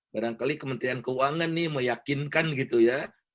barangkali kementerian keuangan nih meyakinkan gitu ya